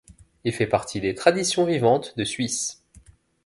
Il fait partie des traditions vivantes de Suisse.